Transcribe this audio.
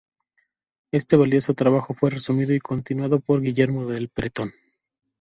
Este valioso trabajo fue resumido y continuado por Guillermo el Bretón.